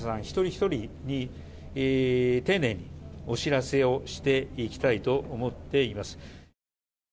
一人ひとりに丁寧にお知らせをしていきたいと思っています。